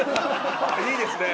あっいいですね。